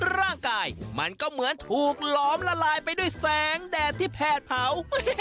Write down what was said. ร่างกายมันก็เหมือนถูกหลอมละลายไปด้วยแสงแดดที่แผดเผา